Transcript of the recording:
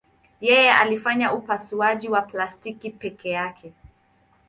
Yeye alifanya upasuaji wa plastiki peke yake.